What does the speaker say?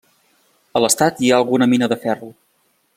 A l'estat hi ha alguna mina de ferro.